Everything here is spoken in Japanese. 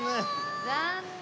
残念！